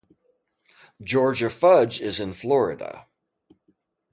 Georgia Fudge is in Florida.